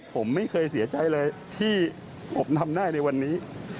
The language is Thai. ผมไม่เคยเสียใจเลยที่ผมทำได้ในวันนี้